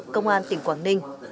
công an tỉnh quảng ninh